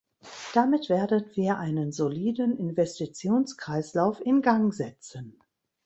Damit werden wir einen soliden Investitionskreislauf in Gang setzen.